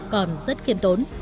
còn rất kiên tốn